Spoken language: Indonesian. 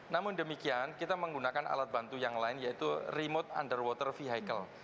namun demikian kita menggunakan alat bantu yang lain yaitu remote underwater vehicle